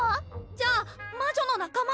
じゃあ魔女の仲間？